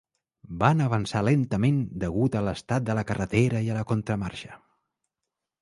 Van avançar lentament degut a l'estat de la carretera i a la contramarxa.